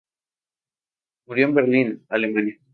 Murió en Berlín, Alemania.